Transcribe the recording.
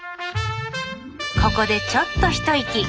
ここでちょっと一息。